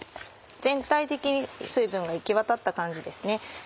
全体的に水分が行きわたった感じですね。